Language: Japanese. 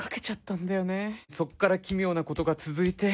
そっから奇妙なことが続いて。